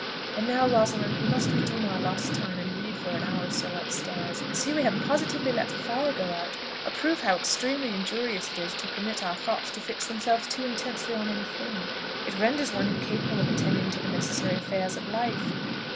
And now, Rosalind, we must redeem our lost time, and read for an hour or so upstairs. See! we have positively let the fire go out; a proof how extremely injurious it is to permit our thoughts to fix themselves too intensely on any thing: it renders one incapable of attending to the necessary affairs of life.